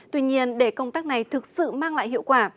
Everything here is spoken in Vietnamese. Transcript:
tuy nhiên để công tác này thực sự mang lại hiệu quả